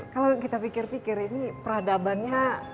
kalau kita pikir pikir ini peradabannya